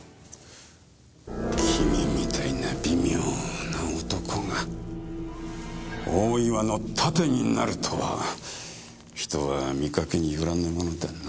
君みたいな微妙な男が大岩の盾になるとは人は見かけによらぬものだな。